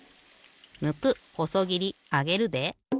むくほそぎりあげるで。